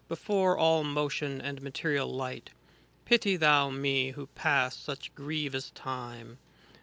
Before all motion and material light, *° Pity thou me, who pass such grievous time.